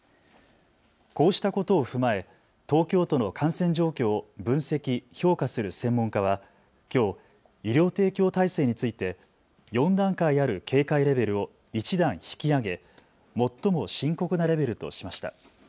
こうしたことを踏まえ東京都の感染状況を分析・評価する専門家はきょう医療提供体制について４段階ある警戒レベルを１段引き上げ最も深刻なレベルとしました。